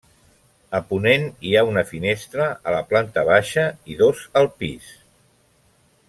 A ponent hi ha una finestra a la planta baixa i dos al pis.